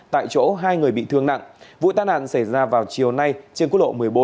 tại chỗ hai người bị thương nặng vụ tai nạn xảy ra vào chiều nay trên quốc lộ một mươi bốn